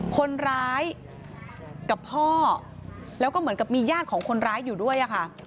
คนร้ายกับพ่อแล้วก็เหมือนกับมีญาติของคนร้ายอยู่ด้วยค่ะ